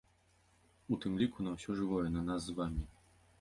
У тым ліку на ўсё жывое, на нас з вамі.